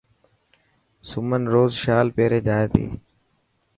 سمن روز شال پيري جائي تي.